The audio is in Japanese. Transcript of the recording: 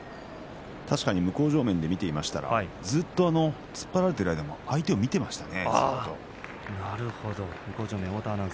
向正面で見ていましたがずっと突っ張られている間も相手を見ていました。